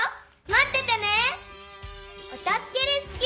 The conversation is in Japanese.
まっててね！